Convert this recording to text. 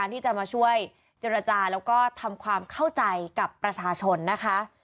ที่จะมาช่วยเจรจาแล้วก็ทำความเข้าใจกับประชาชนนะคะ